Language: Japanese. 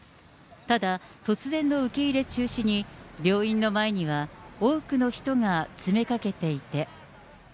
ただ、突然の受け入れ中止に、病院の前には、多くの人が詰めかけていて。